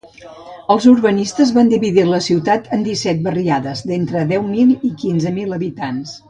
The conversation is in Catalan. Els urbanistes van dividir la ciutat en disset barriades d'entre deu mil i quinze mil habitants.